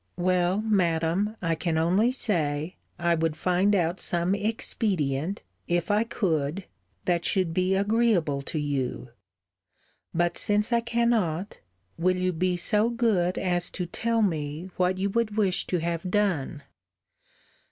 Well, Madam, I can only say, I would find out some expedient, if I could, that should be agreeable to you. But since I cannot, will you be so good as to tell me what you would wish to have done?